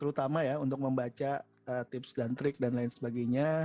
termasuk sebenarnya untuk membuat podcast yang lebih berguna dan lebih berguna